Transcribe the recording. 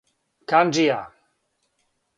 канџија